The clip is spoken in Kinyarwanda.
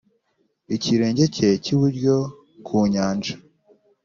ikirenge cye cy iburyo ku nyanja